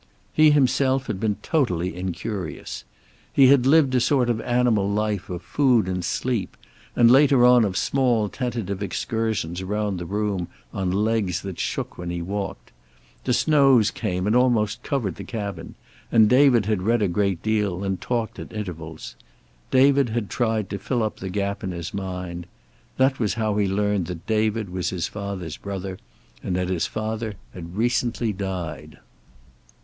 He himself had been totally incurious. He had lived a sort of animal life of food and sleep, and later on of small tentative excursions around the room on legs that shook when he walked. The snows came and almost covered the cabin, and David had read a great deal, and talked at intervals. David had tried to fill up the gap in his mind. That was how he learned that David was his father's brother, and that his father had recently died.